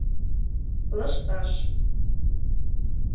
Лышташ.